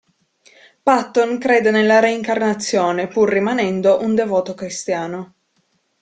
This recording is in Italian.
Patton crede nella reincarnazione, pur rimanendo un devoto cristiano.